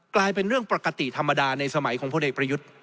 กลายเป็นเรื่องปกติธรรมดาในสมัยของพลเอกประยุทธ์